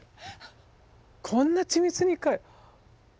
こんな緻密に描い。